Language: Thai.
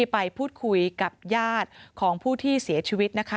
ไปพูดคุยกับญาติของผู้ที่เสียชีวิตนะคะ